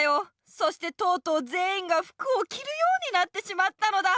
そしてとうとうぜんいんが服をきるようになってしまったのだ！